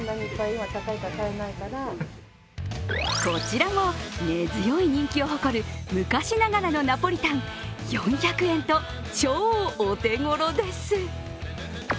こちらも根強い人気を誇る昔ながらのナポリタン４００円と超お手頃です。